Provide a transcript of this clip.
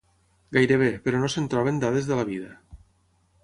Gairebé, però, no se'n troben dades de la vida.